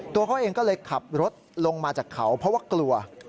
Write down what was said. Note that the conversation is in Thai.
ตัวเขาเองก็เลยขับรถลงมาจากเขาเพราะว่ากลัว